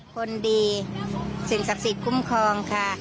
คนดีสิ่งศักดิ์สิทธิ์คุ้มครองค่ะ